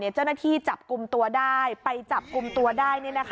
เจ้าหน้าที่จับกลุ่มตัวได้ไปจับกลุ่มตัวได้